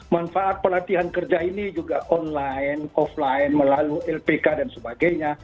manfaat pelatihan kerja ini juga online offline melalui lpk dan sebagainya